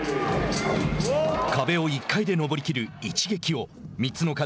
壁を１回で登りきる一撃を３つの課題